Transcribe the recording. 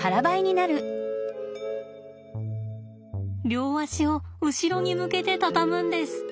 両足を後ろに向けて畳むんです。